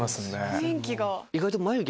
雰囲気が。